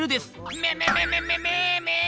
めめめめめめめ！